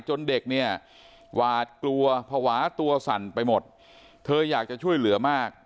เด็กเนี่ยหวาดกลัวภาวะตัวสั่นไปหมดเธออยากจะช่วยเหลือมาก